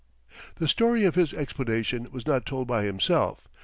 The story of his explanation was not told by himself.